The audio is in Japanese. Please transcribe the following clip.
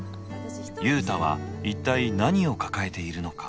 雄太は一体何を抱えているのか。